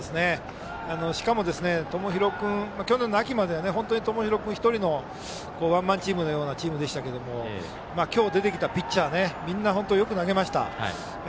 しかも去年の秋まで友廣君１人のワンマンチームのようなチームでしたけども今日出てきたピッチャーみんな本当によく投げました。